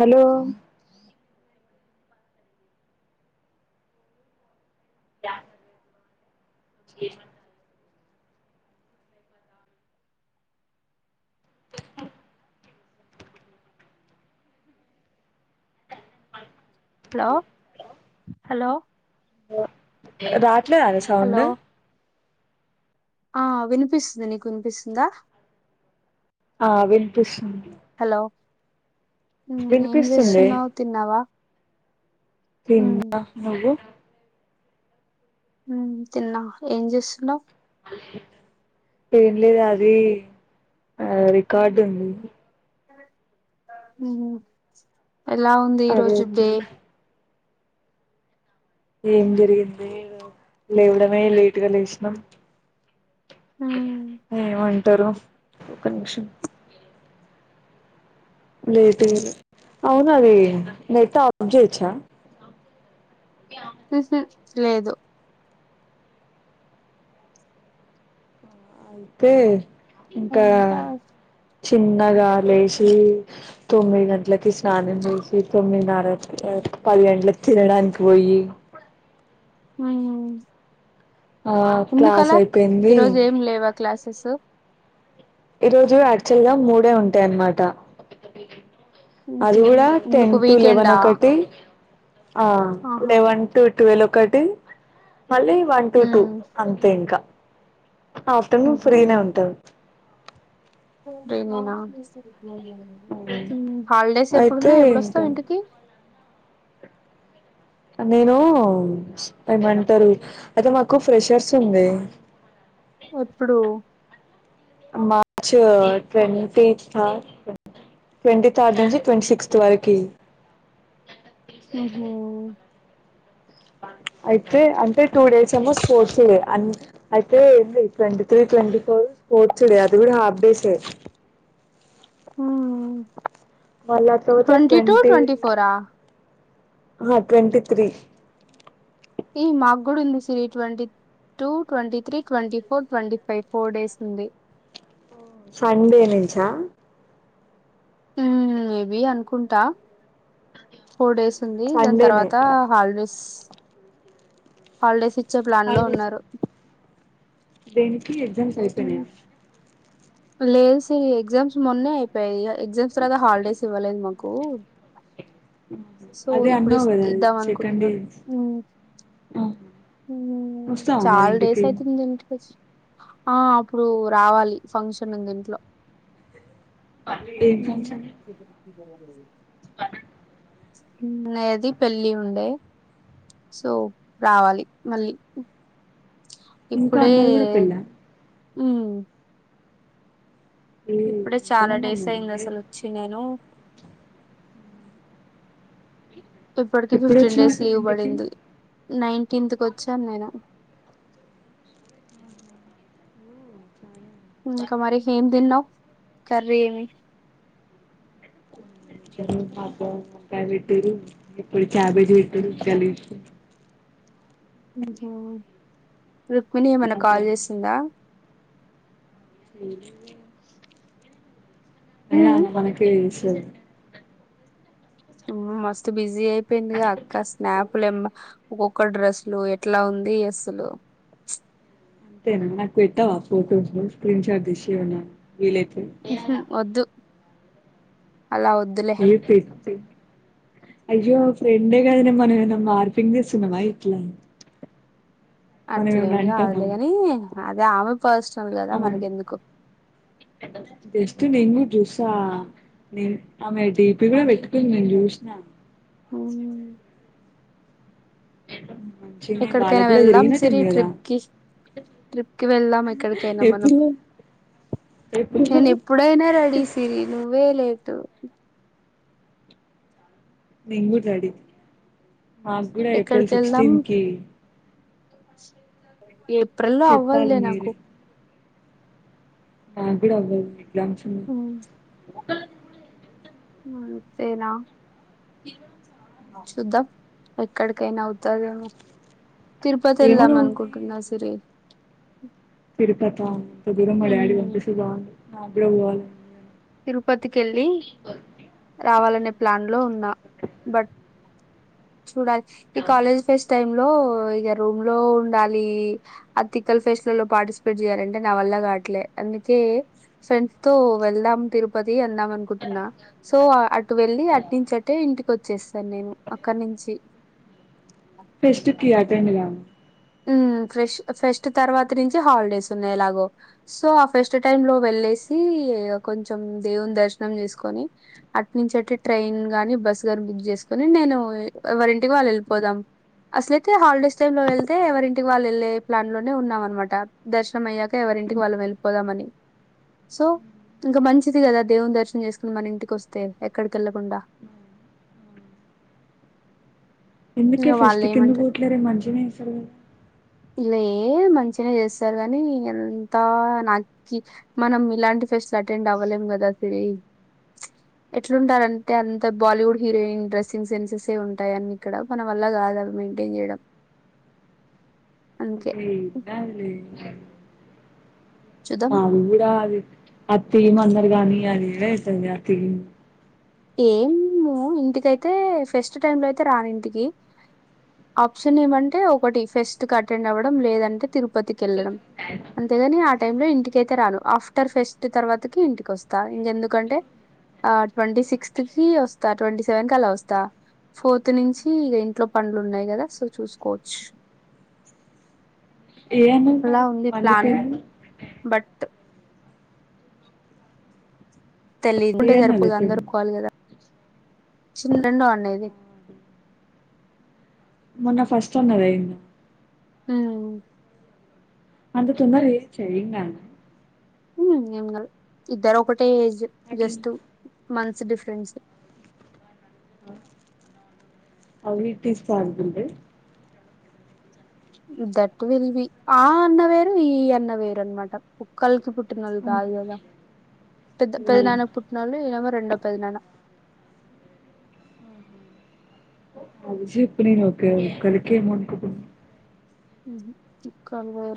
Hello. దా. Hello hello. రాట్లేదానే sound. ఆహ్ వినిపిస్తుంది నీకు వినిపిస్తుందా. ఆహ్ వినిపిస్తుంది. హలో. ఏం వినిపిస్తుంది చేస్తున్నావు తిన్నావా. ఉమ్, తిన్న నువ్వు. ఉమ్ తిన్నా. ఏం చేస్తున్నావు. ఏం లేదు అది ఆది రికార్డు ఉంది. ఉమ్ ఎలా ఉంది ఈ అది రోజు డే. వచ్చింది ఏం జరిగింది లేవడమే లేటుగా లేసినా. ఉమ్, ఏమంటారు ఒక నిమిషం. లేట్ గానే అవును అది నెట్ ఆఫ్ చేయొచ్చా. ఉహూ లేదు. అయితే ఇంకా అంతా చిన్నగా. లేచి తొమ్మిది గంటలకి స్నానం చేసి తొమ్మిదిన్నకి ఆహ్ పది గంటలకి. తినడానికి పోయి. ఉమ్. ఆ క్లాస్ ఎందుకలా అయిపోయింది ఈరోజు ఏం లేవా క్లాసెస్. ఈ రోజు యాక్చువల్ గా మూడే ఉంటాయి అన్నమాట. అది ఉహు, కూడా ఎందుకు టెన్ టు లెవెన్ వీకెండా ఒకటి ఆహ్ ఆహా లెవెన్ టు ట్వెల్వ్ ఒక్. ఒకటి మళ్ళీ వన్ టు టూ అంతే ఇంకా. ఆఫ్టర్నూన్ ఫ్రీనే ఉంటాది. Bring you ma'am. హాలిడేస్ అయితే ఎప్పుడున్నాయి ఇంకా ఎప్పుడోస్తావు ఇంటికి. నేను ఏమంటారు అయితే మాకు ఫ్రెషర్స్ ఉంది. ఎప్పుడు. ఇంక ట్వాంటి థర్డ్. ట్వంటీ థర్డ్ నుంచి ట్వంటీ సిక్స్త్ వరకి. ఉమ్మ్. అయితే అంటే టూ డేస్ ఎమో స్పోర్ట్స్ డే అన్ అయితే ఏంది ట్వంటీ త్రీ ట్వంటీ ఫోర్. ఓచ్చుడే అది కూడా హాఫ్ డేసే. మళ్ళా తర్వాత ట్వంటీ టూ ట్వంటీ ఫోరా ట్వంటి త్రీ ఏ మాకు కూడా ఉంది twenty three two twenty three twenty four twenty five four days ఉంది సండే నుంచా హ్మ్ మేబి అనుకుంటా ఫోర్ డేస్ ఉంది దాని సండేనే తర్వాత హాలిడేస్ హాలిడేస్ ఇచ్చి వచ్చే ప్లాన్ లో హాలిడేసా ఉన్నారు దేనికి ఎగ్జామ్స్ అయిపోయినాయా హ్మ్. లేదు సిరి ఎగ్జామ్స్ మొన్నే అయిపోయాయి ఎగ్జామ్స్ తర్వాత హాలిడేస్ ఇవ్వలేదు మాకు కు సో అదే ఇప్పుడు అన్నావు కదా ఇద్దాం సెకండ్ అనుకుంటున్నారూ ఇయర్ వస్తావా మరి చాలా డేస్ ఇంటికి అయితుంది ఏంటి ఆ అప్పుడు రావాలి ఫంక్షన్ ఉంది ఇంట్లో హ్మ్. అ నది పెళ్ళి ఉండే సో రావాలి మళ్ళీ ఇంకో ఇప్పుడే అన్నది కూడా పెళ్ళా ఏ ఇప్పుడే చాలా ఎంతమంది డేస్ అయింది అన్నారు అసలు వచ్చి నేను ఇప్పటిక ఎప్పుడు ఫిఫ్టీన్ వచ్చినావు డేస్ అసలు లీవ్ ఇంటికి పడింది నైన్టీన్త్కి వచ్చాను నేను ఇంకా మరి ఏం తిన్నావ్ కర్రీ ఏమి [unintelligible] రుక్మిణి ఏం అయిన ఇంకా కాల్ చేసిందా హ్మ్ అయిన ఉమ్. ఆయనకే చేస్తది మస్తు బిజీ అయిపోయింది అక్క స్నాపులుమ్మ ఒక్కొక్క డ్రెస్లు ఎట్లా ఉంది అసలు అంతేనా నాకు పెట్టావా ఫోటోస్లు స్క్రీన్ షాట్ తీసి ఉన్నాయి వద్దు అలా వద్దులే ఏ పెట్టు ఏ అయ్యో ఫ్రెండ్ ఏ కదా మనం ఏం అయిన మార్ఫింగ్ చేస్తున్నామ ఇట్ల అట్లేమి కాదులే కానీ అదే ఆమె ఫస్ట్ నల్ కదా ఆమె మనకెందుకు జస్ట్ నేను కుడా చూస్తా ఆమె డీపీ కూడా పెట్టుకుంది నేను చూసిన అ ఉమ్, మంచినే ఎక్కడికైనా వాళ్ళకు కూడా వెళ్దాం సిరి జరిగినట్టుంది కదా ట్రిప్కు ట్రిప్కిి వెళ్దాం ఎక్కడికైనా మనం ఎప్పుడు ఎప్పుడు నేను ఎప్పుడైనా రెడీసిరి నువ్వే లేట్ నేను కూడా రెడీ మాకు కూడా ఏప్రిల్ ఎక్కడికి వెళ్దాం సిక్స్టీన్ కి ఏప్రిల్లో చెప్పాలి అవ్వదులే మీరు నాకు నాకు కూడా అవదు ఎగ్జామ్ ఉన్నాయి ఉమ్, అంతేనా చూద్దాం ఎక్కడికైనా అవుతదేమో తిరుపతి ఏమో వెళ్దాం నువ్వు అనుకుంటున్నా సిరి తిరుపతి అహ్ అంత దూరం మా డాడీ ఉమ్ పంపిస్తే చాలు నాకు కూడా పోవాలి తిరుపతికి వెళ్ళి రావాలనే ప్లాన్ లో ఉన్నా బట్ చూడాలి ఈ కాలేజ్ ఫెస్ట్ టైమ్ లో ఇక రూమ్ లో ఉండాలి ఆ తిక్కల్ ఫెస్ లో పార్టిసిపేట్ చేయాలంటే నా వల్ లా కాట్లే అందుకే ఫ్రెండ్స్ తో వెళ్దాం తిరుపతి అన్నాం అనుకుంటున్నా సో అటు వెళ్ళి అట్ నుంచి అటే ఇంటికి వచ్చేస్తాను నేను అక్కడి నుంచి ఫెస్ట్ కి అటెండ్ కావా ఫెస్ట్ ఫెస్ట్ తర్వాత నుంచి హాలిడేస్ ఉన్నాయి ఎలాగో సో ఆ ఫెస్ట్ టైమ్ లో వెళ్ సి కొంచెం దేవుని దర్శనం చేసుకొని అట్ నుంచి అటే ట్రైన్ గాని బస్ గ బుక్ చేసుకుని నేను ఎవరింటికి వాళ్ళు వెళ్ళిపోదాం అసలయితే హాలిడేస్ టైమ్ లో వె యితే ఎవరింటికి వాళ్ళు వెళ్ళే ప్లాన్ లోనే ఉన్నాం అనమాట దర్శనం అయ్యాక ఎవరింటికి వాళ్ళం వెళ్ళిపోదామని సో ఇంకా మంచిది కదా దేవుని దర్శనం చేసుకుని మన ఇంటికి వస్తే ఎక్కడికి వెళ్ళకుండా ఎందుకే ఇంగ వాళ్ళు ఫెస్టిక్ ఏమంటారు ఎందుకు పోట్లేరే మంచిగానే చేస్తారు కదా ఇ మంచినే చేస్తారు కానీ ఎంత నాకి మనం ఇలాంటి ఫెస్ట్ లు అటెండ్ అవ్వలేం కదా శిరి ఎట్లుంటారంటే అంత బాలీవుడ్ హీరోయిన్ డ్రెస్సింగ్ సెన్సెస్ ఉంటాయిని ఇక్కడ మన వల్ల కాదు అవి మెయింటైన్ చేయడం అందుకే ఏం కాదులే చూద్దాం మా అది కూడా అది అతియం అందరు కాని అదిే అవుతుంది ఆ థీమ్ [unintelligible] [inaudible] ఏం ఇంటికైతే ఫస్ట్ టైమ్ లో అయితే రాను ఇంటికి ఆప్షన్ ఏమంటే ఒకటి ఫెస్ట్ క అటెండ్ అవ్వడం లేదంటే తిరుపతికి వెళ్ళడం అంతేగాని ఆ టైమ్ లో ఇంటిక అయితే రాను ఆఫ్టర్ ఫెస్ట్ తర్వాతకి ఇంటికి వస్తా ఇంకెందుకంటే ఆ ట్వంటీ సిక్స్త్ కి వస్తా ట్వంటీ సెవెన్ కి అలా వస్తా ఫోర్త్ నుంచి ఇక ఇంట్లో పన్లు ఉన్నాయి కదా సో చూసుకోవచ్చు ఏ అన్నది అలా మరి ఉంది మళ్ళీ ప్లాన్ పెళ్లి బట్ ఏ తెల్లికుంటే అన్నదే జరుపుదు అందరూ పెళ్లి ఒప్పుకోవాలి కదా చిన్న రెండు అండది [inaudible] మొన్న ఫస్ట్ ఉన్నదియింది ఉమ్ అంత తొందరగా చేయచ ఏం కాదు ఏం కాదు ఇద్దరు ఒకటే ఏజ్ అట్లా just months difference how it is possible రే దట్టు విల్ బి ఆ అన్న వేరు ఈ అన్న వేరు అనమాట కుక్కలకి పుట్ పుట్టినోల్లు కాదు కదా పెద్ద పెది నాన్నకి పుట్టినళ్ళు ఏలామో రెండో పెద్ద నాన్న అజ ఎప్పు నీను ఓకే ఉ కలికే అమౌంట్ కుప్పు [inaudible] ఉ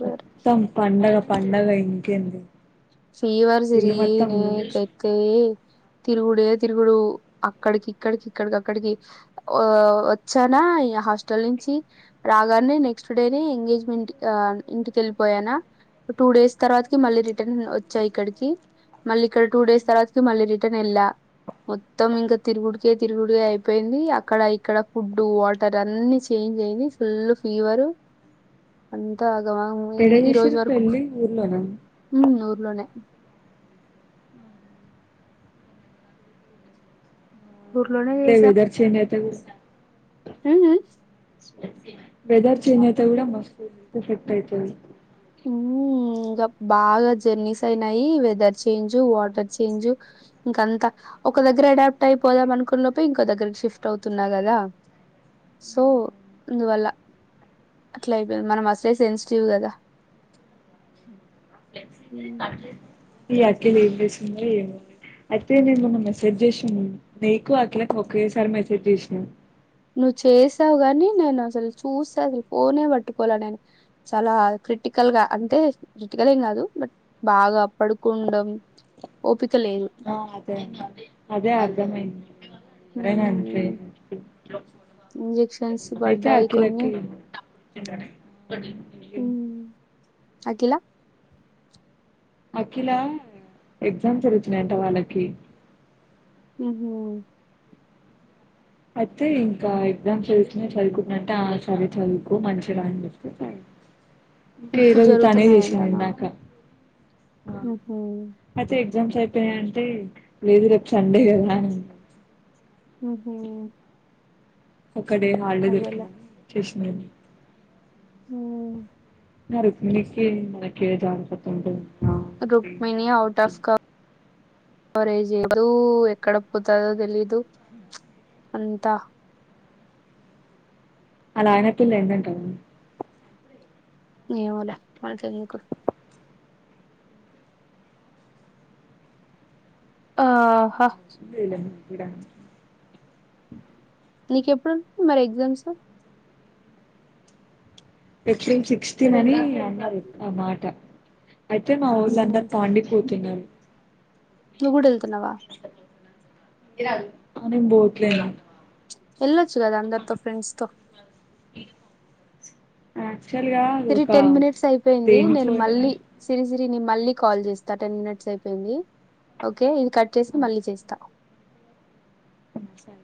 మొత్తం పండగ పండగ ఇంకేంది ఫీవారు స్రీ ఇల్లు మొత్తం న కక తిరుగుడే తీరుగు అక్కడికి ఇక్కడికి ఇక్కడికి అక్కడికి వచ్చానా ఈ హాస్టల్ నుంచి రాగాని నెక్స్ట్ డే నీ ఎంగేజ్మెంట్ ఇంటి వేళ్లిపోయానా టూ డేస్ తర్వాతకి మళ్ళీ రిటర్న్ ఇచ్చా ఇక్కడికి మళ్ళీ ఇక్కడ టూ డేస్ తర్వాతకి మళ్ళీ రిటర్న్ వెళ్ళా మొత్తం ఇంకా తిరుగుడికే తిరుగుడిక అయిపోయింది అక్కడ ఇక్కడ ఫుడ్ వాటర్ అన్ని చేయి చేంజ్ అయినాయి ఫుల్ ఫీవర్ అంత ఎడ ఈ రోజు చేసిర్రు వరకు పెళ్లి ఊర్లోనా ఊర్లోనే ఊర్లోనే లీవెదర్ చేంజ్ అయితే కూడా ఉమ్ వ వెదర్ చేంజ్ అయితే ఎ కూడా మస్తు ఎఫెక్ట్ అయితది అ ఇంకా బాగా జర్నీస్ అయినాయి వెదర్ చేంజ్ వాటర్ చేంజ్ ఇంకంత, ఒక దగ్గర అడాప్ట్ అయిపోదాం అనుకున్న లోపే ఇంకో దగ్గకి షిఫ్ట్ అవుతున్నా, కదా సో అందువల్ల అట్లా అయిపోయింది మనం అసలే సెన్సిటివ్ కదా, ఉ ఈ అఖిల ఎంచేస్తుందో ఏమో, అయితే నేను మొన్న హ్మ్. మెసేజ్ చేసిన నికు అఖిల కి ఓకే సారి మెసేజ్ చేసిన నువ్వు చేసావు కాని నేను అసలు చూస్తే అసలు ఫోనే పట్టుకోలే నేను చాలా క కటికల్ గా అంటే క్రిటికలేం కాదు బట్ బాగా పడుకో ఓప ఆ అదే అదే అర్ధమైంది. ఎవరైనా అంతే హ్మ్. ఇంజెక్షన్స్ అయితే పడ్డాయి అఖిల కి కొన్ని. హ్మ్. అఖిల అఖిలా ఎగ్జామ్ జరుగుతునాయంట వాళ్ళకి, ఉహు అయితే ఇంకా ఎగ్జామ్స్ జరుగుతున్నాయి, చదువుకున్నంటే ఆ సరే చదువుకో మంచి ర్యాంక్ తెచ్చుకో, చా ఇప్పుడు జరుగుతున్నాయంటనా ఇందాక ఉహు అయితే ఎగ్జామ్స్ అయిపోయా అంటే లేదు రేపు సండే కదా అ ఉహు ఒక్కడే హాలీడే అదేలే దొరికింది చేసిన ఉ రుక్మిణికి మనకి జాన్సత్వం రుక్మిణీ అవుట్ ఆఫ్ కా కవరేజ్ చేయదు ఎక్కడ పోతదో తెలిదు అంతా అలా ఆయన తోని పోయిందాంటావా, ఏమోలే మనకెందుకు ఆహ [unintelligible] నీక ఎప్పుడు మరి ఎగ్జామ్స్ ఎప్రిల్ సిక్స్టీన్ అని అన్నారు ఒక ఆ ఉహు మాట అయితే మా ఊళ్ళందరు పాండిపోతున్నారు. నువ్వు కూడా వెళ్తున్నావా, కానీ నేను పొట్లేలేనురా, వెళ్లొచ్చుగా అందరితో ఫ్రెండ్స్ తో ఆ సిరి టెన్ మినిట్స్ అయిపోయింది, దేనికి నేను మళ్ళీ పోయిన సిరిసి సిరి ని మళ్ళీ కాల్ చేస్తా, టెన్ మినిట్స్ అయిపోయింది ఓకే ఇది కట్ చేసి మళ్ళీ చేస్తా సరే